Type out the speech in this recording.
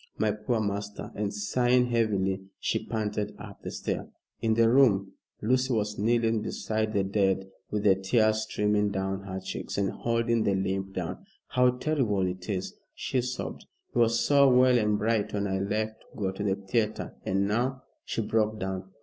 My poor master," and sighing heavily, she panted up the stair. In the room, Lucy was kneeling beside the dead, with the tears streaming down her cheeks and holding the limp hand. "How terrible it is!" she sobbed. "He was so well and bright when I left to go to the theatre, and now" she broke down.